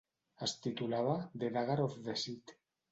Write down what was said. Es titulava "The Dagger of Deceit".